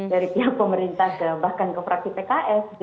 dari pihak pemerintah bahkan ke fraksi pks